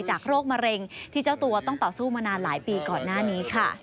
โรคมะเร็งที่เจ้าตัวต้องต่อสู้มานานหลายปีก่อนหน้านี้ค่ะ